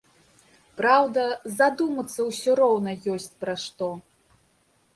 Праўда, задумацца ўсё роўна ёсць пра што.